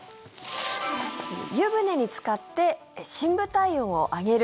湯船につかって深部体温を上げる。